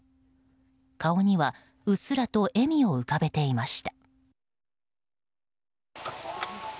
顔にはうっすらと笑みを浮かべていました。